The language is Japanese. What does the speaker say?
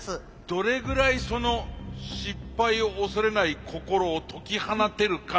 どれぐらいその失敗を恐れない心を解き放てるかなんですよ。